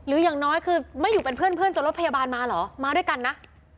อย่างน้อยคือไม่อยู่เป็นเพื่อนจนรถพยาบาลมาเหรอมาด้วยกันนะ